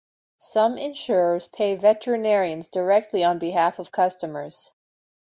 Some insurers pay veterinarians directly on behalf of customers.